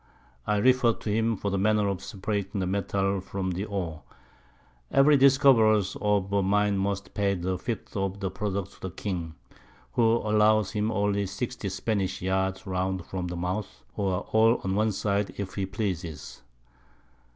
I refer to him for the Manner of separating the Metal from the Oar. Every Discoverer of a Mine must pay the 5_th_ of the Product to the King, who allows him only 60 Spanish Yards round from the Mouth, or all on one side, if he pleases.